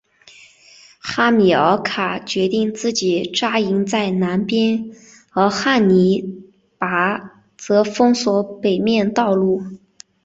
哈米尔卡决定自己扎营在南边而汉尼拔则封锁北面道路。